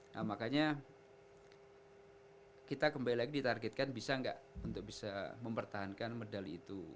nah makanya kita kembali lagi ditargetkan bisa nggak untuk bisa mempertahankan medali itu